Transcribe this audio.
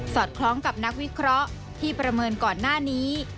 อดคล้องกับนักวิเคราะห์ที่ประเมินก่อนหน้านี้